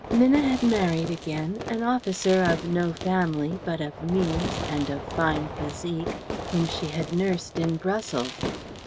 Minna had married again, an officer of no family but of means and of fine physique whom she had nursed in Brussels.